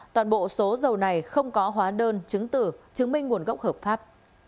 toàn bộ số dầu này không có hóa đơn chứng tử chứng minh nguồn gốc hợp pháp